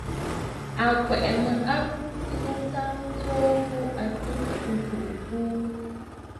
À kwɛ̀ʼɛ mɔʼɔ àbu tɨgə̀ ŋ̀kɔʼɔ ŋwò ghu atu ntɨgə mfuʼu buu.